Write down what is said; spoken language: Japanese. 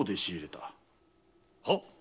はっ？